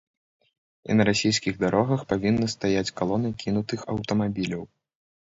І на расійскіх дарогах павінны стаяць калоны кінутых аўтамабіляў.